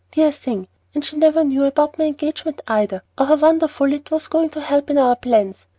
Dear thing! and she never knew about my engagement either, or how wonderfully it was going to help in our plans.